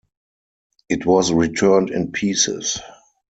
It was returned in pieces.